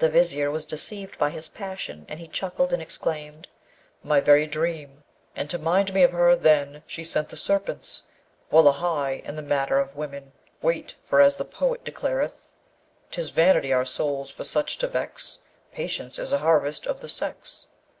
The Vizier was deceived by his passion, and he chuckled and exclaimed, 'My very dream! and to mind me of her, then, she sent the serpents! Wullahy, in the matter of women, wait! For, as the poet declareth: 'Tis vanity our souls for such to vex; Patience is a harvest of the sex.''